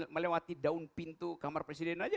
melewati daun pintu kamar presiden aja